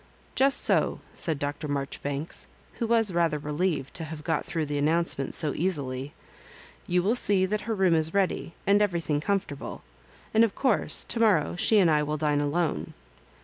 "Just so," said Dr. Marjoribanks, who was rather relieved to have got through the an nouncement so easily. " You will see that her room is ready, and every thmg comfortable; and, of course, to morrow she and I will dine alone.